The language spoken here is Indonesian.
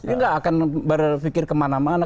dia gak akan berfikir kemana mana